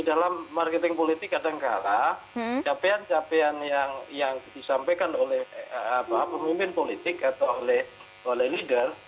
dalam marketing politik kadangkala capaian capaian yang disampaikan oleh pemimpin politik atau oleh leader